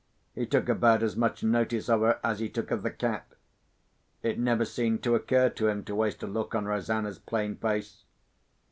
He took about as much notice of her as he took of the cat; it never seemed to occur to him to waste a look on Rosanna's plain face.